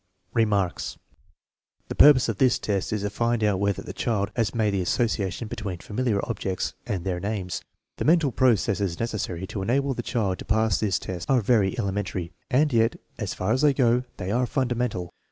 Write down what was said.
Remarks. The purpose of this test is to find out whether the child has made the association between familiar objects and their names. The mental processes necessary to enable the child to pass this test are very elementary, and yet, as far as they go, they are fundamental.